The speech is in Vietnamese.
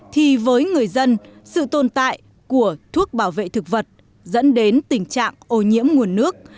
thì với người dân sự tồn tại của thuốc bảo vệ thực vật dẫn đến tình trạng ô nhiễm nguồn nước